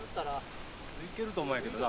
いけると思うんやけどな。